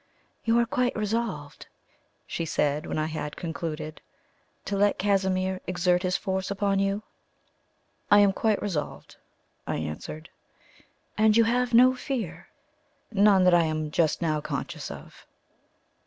"You are quite resolved," she said, when I had concluded, "to let Casimir exert his force upon you?" "I am quite resolved," I answered. "And you have no fear?" "None that I am just now conscious of."